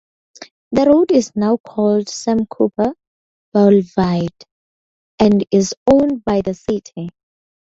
The road is now called Sam Cooper Boulevard, and is owned by the city.